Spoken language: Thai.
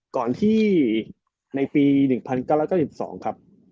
ก่อนที่ในปี๑๙๙๒ครับ